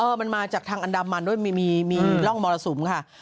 มันมาจากทางอันดามันด้วยมีร่องมรสุมค่ะ